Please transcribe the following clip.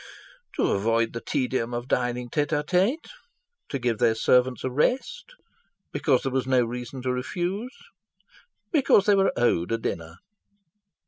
To avoid the tedium of dining , to give their servants a rest, because there was no reason to refuse, because they were "owed" a dinner.